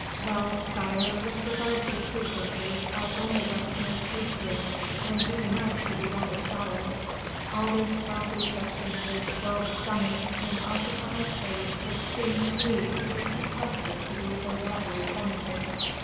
"Will, sire, with regard to sweet dishes I only recognize pastry, and even that should be rather solid; all these frothy substances swell the stomach, and occupy a space which seems to me to be too precious to be so badly tenanted."